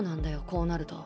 こうなると。